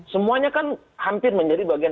semuanya kan hampir menjadi bagian